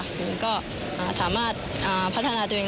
ผมก็สามารถพัฒนาตัวเอง